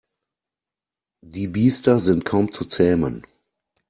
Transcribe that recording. Die Biester sind kaum zu zähmen.